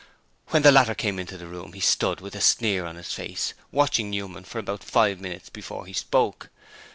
When the latter came into the room he stood with a sneer on his face, watching Newman for about five minutes before he spoke.